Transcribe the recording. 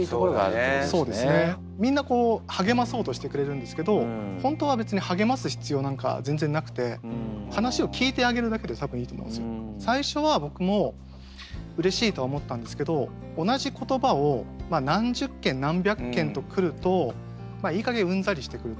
みんなこう励まそうとしてくれるんですけど本当は別に最初は僕もうれしいとは思ったんですけど同じ言葉を何十件何百件と来るといいかげんうんざりしてくるというか。